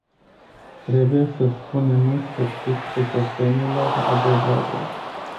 Trebuie să spunem în sfârșit cetățenilor adevărul.